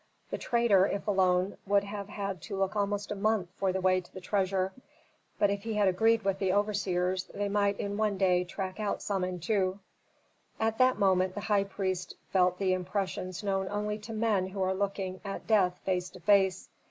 The traitor, if alone, would have had to look almost a month for the way to the treasure, but if he had agreed with the overseers they might in one day track out Samentu. At that moment the high priest felt the impressions known only to men who are looking at death face to face.